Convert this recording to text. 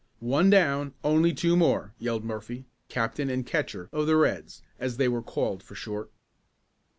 "One down, only two more!" yelled Murphy, captain and catcher of the "Reds," as they were called for short.